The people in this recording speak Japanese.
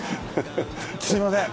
すみません。